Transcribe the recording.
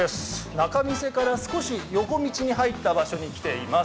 仲見世から横道に入った場所に来ています。